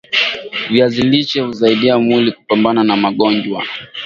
viazi lishe husaidia mwili kupambana na magojwa